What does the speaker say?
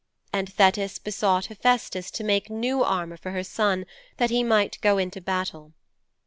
And Thetis besought Hephaistos to make new armour for her son that he might go into the battle.'